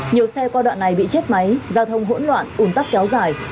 nhiều xe qua đoạn này bị chết máy giao thông hỗn loạn ủn tắc kéo dài